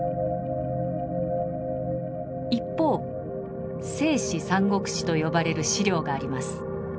一方「正史三国志」と呼ばれる史料があります。